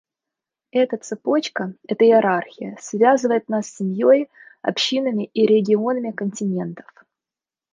Эта цепочка, эта иерархия, связывает нас с семьей, общинами и регионами континентов.